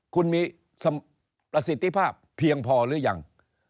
คุณมีประสิทธิภาพเพียงพอหรือยัง